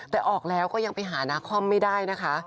แต่ออกแล้วก็ยังไปหานาคอมไม่ได้นะคะ